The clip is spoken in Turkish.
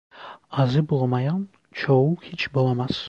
Azı bulamayan, çoğu hiç bulamaz!